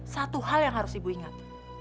satu hal yang harus ibu ingat